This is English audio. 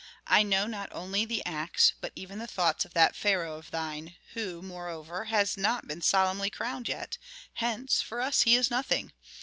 "I know not only the acts, but even the thoughts of that pharaoh of thine, who, moreover, has not been solemnly crowned yet, hence for us he is nothing.